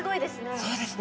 そうですね。